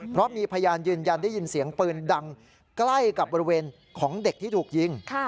เพราะมีพยานยืนยันได้ยินเสียงปืนดังใกล้กับบริเวณของเด็กที่ถูกยิง